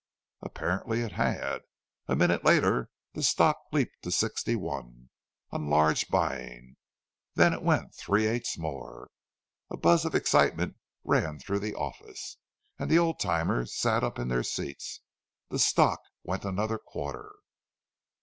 Apparently it had. A minute later the stock leaped to 61, on large buying. Then it went three eighths more. A buzz of excitement ran through the office, and the old timers sat up in their seats. The stock went another quarter.